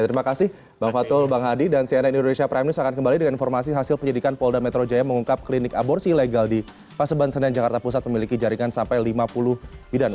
terima kasih bang fatul bang hadi dan cnn indonesia prime news akan kembali dengan informasi hasil penyidikan polda metro jaya mengungkap klinik aborsi ilegal di paseban senen jakarta pusat memiliki jaringan sampai lima puluh bidan